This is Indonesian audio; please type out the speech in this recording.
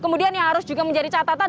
kemudian yang harus juga menjadi catatan